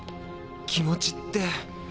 気持ちって。